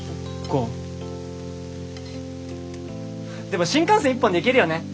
でも新幹線１本で行けるよね！